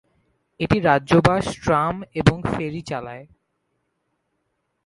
এটি রাজ্যে bus, tram এবং ফেরি চালায়।